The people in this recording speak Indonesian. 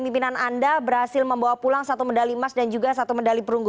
pimpinan anda berhasil membawa pulang satu medali emas dan juga satu medali perunggu